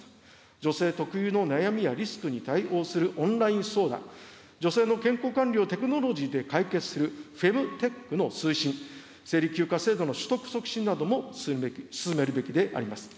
女性特有の悩みやリスクに対応するオンライン相談、女性の健康管理をテクノロジーで解決するフェムテックの推進、生理休暇制度の取得促進なども進めるべきであります。